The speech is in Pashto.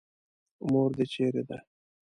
مور دې چېرې ده.